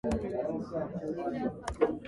It is administered by Wellington Regional Council.